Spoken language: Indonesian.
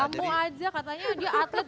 kamu aja katanya dia atlet